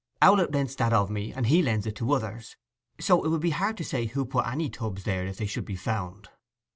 'Owlett rents that of me, and he lends it to others. So it will be hard to say who put any tubs there if they should be found.